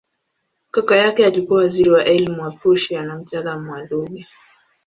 Kaka yake alikuwa waziri wa elimu wa Prussia na mtaalamu wa lugha.